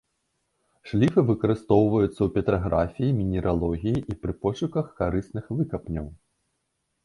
Шліфы выкарыстоўваюцца ў петраграфіі, мінералогіі і пры пошуках карысных выкапняў.